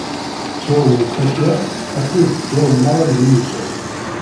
Ttjur n lfakya akked ttjur merra n yingel.